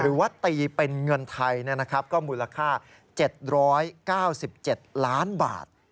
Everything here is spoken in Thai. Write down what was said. หรือว่าตีเป็นเงินไทยก็มูลค่า๗๙๗ล้านบาท